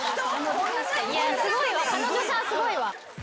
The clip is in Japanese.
彼女さんすごいわ。